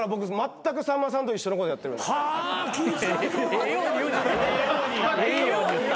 ええように言うな。